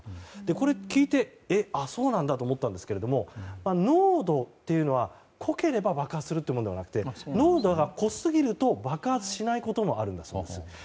これを聞いてそうなんだと思ったんですが濃度が濃ければ爆発するわけではなくて濃度が濃すぎると爆発しないこともあるんだそうです。